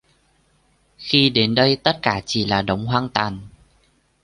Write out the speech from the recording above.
Khi đến đây tất cả chỉ là đống hoang tàn